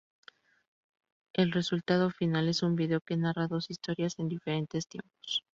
El resultado final es un video que narra dos historias en diferentes tiempos.